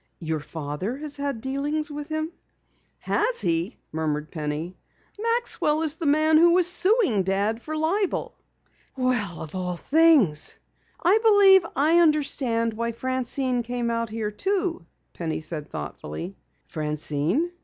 "Your father has had dealings with him?" "Has he?" murmured Penny. "Maxwell is the man who is suing Dad for libel!" "Well, of all things!" "I believe I understand why Francine came out here too," Penny said thoughtfully. "Francine?"